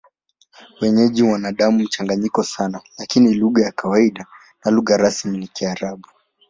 Wenyeji wana damu mchanganyiko sana, lakini lugha ya kawaida na lugha rasmi ni Kiarabu.